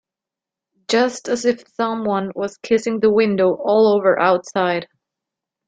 Just as if some one was kissing the window all over outside.